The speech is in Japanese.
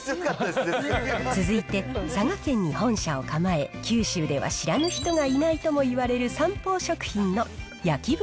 続いて、佐賀県に本社を構え、九州では知らぬ人がいないともいわれるサンポー食品の焼豚